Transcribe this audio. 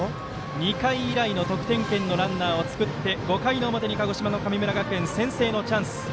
２回以来の得点圏のランナーを作って５回の表に鹿児島の神村学園先制のチャンス。